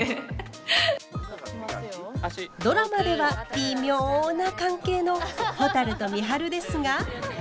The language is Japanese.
ドラマではビミョな関係のほたると美晴ですが。